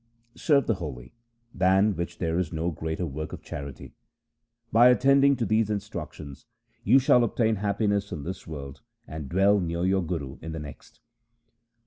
Serve the holy, than which there is no greater work of charity. By attending to these instructions you shall obtain T 2 276 THE SIKH RELIGION happiness in this world and dwell near your Guru in the next.'